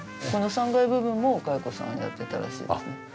この３階部分もお蚕さんをやってたらしいですね。